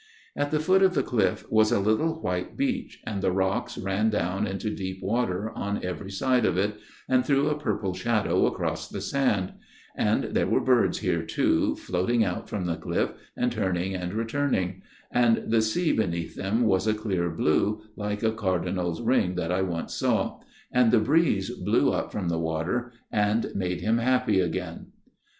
" At the foot of the cliff was a little white beach, and the rocks ran down into deep water on every side of it, and threw a purple shadow across the sand ; and there were birds here too, floating out from the cliff and turning and returning ; and the sea beneath them was a clear blue, like a Cardinal's ring that I saw once ; and the breeze blew up from the water and made him happy again."